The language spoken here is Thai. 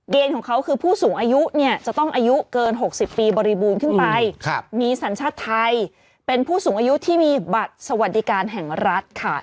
ของเขาคือผู้สูงอายุเนี่ยจะต้องอายุเกิน๖๐ปีบริบูรณ์ขึ้นไปมีสัญชาติไทยเป็นผู้สูงอายุที่มีบัตรสวัสดิการแห่งรัฐค่ะ